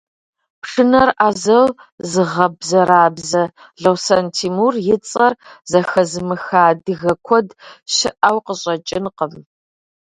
Пшынэр ӏэзэу зыгъэбзэрабзэ Лосэн Тимур и цӏэр зэхэзымыха адыгэ куэд щыӏэу къыщӏэкӏынкъым.